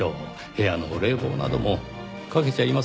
部屋の冷房などもかけちゃいません。